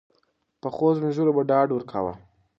پخوسپین ږیرو به ډاډ ورکاوه.